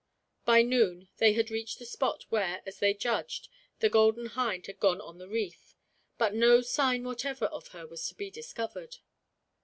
By noon they reached the spot where, as they judged, the Golden Hind had gone on the reef; but no sign whatever of her was to be discovered.